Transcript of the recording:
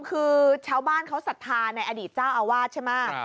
คือชาวบ้านเขาศรัทธาในอดีตเจ้าอาวาสใช่ไหม